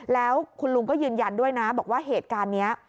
แล้วคุณลุงก็ยืนยันด้วยนะบอกว่าเหตุการณ์นี้